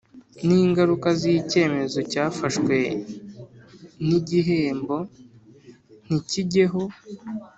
n ingaruka z icyemezo cyafashwe n igihembo ntikijyeho